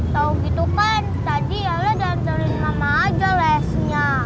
tau gitu kan tadi ya lo jalan jalanin mama aja lesnya